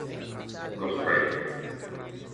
Go Straight